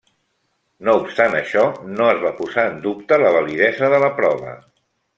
No obstant això, no es va posar en dubte la validesa de la prova.